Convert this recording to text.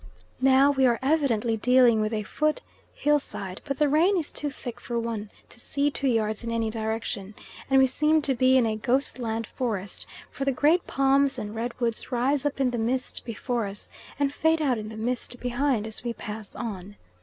Now we are evidently dealing with a foot hillside, but the rain is too thick for one to see two yards in any direction, and we seem to be in a ghost land forest, for the great palms and red woods rise up in the mist before us, and fade out in the mist behind, as we pass on.